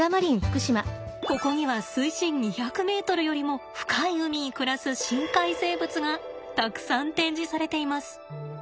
ここには水深２００ｍよりも深い海に暮らす深海生物がたくさん展示されています。